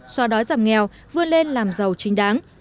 xóa đói giảm nghèo vươn lên làm giàu chính đáng